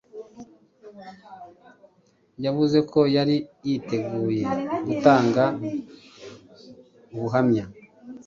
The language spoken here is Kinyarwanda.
yavuze ko yari yiteguye gutanga ubuhamya,